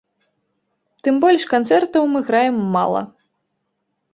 Тым больш, канцэртаў мы граем мала.